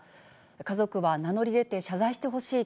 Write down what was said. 家族は名乗り出て謝罪してほしい